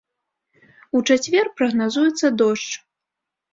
У чацвер прагназуецца дождж.